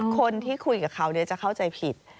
คนที่คุยกับเขาจะเข้าใจผิด